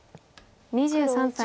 ２３歳。